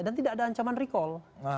dan tidak ada ancaman recall